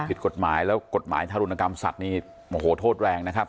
ผิดกฎหมายแล้วกฎหมายทารุณกรรมสัตว์นี่โอ้โหโทษแรงนะครับ